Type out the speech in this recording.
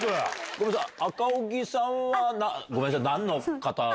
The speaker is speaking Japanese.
ごめんなさい赤荻さんはごめんなさい何の方？